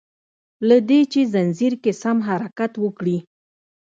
له دي چي ځنځير کی سم حرکت وکړي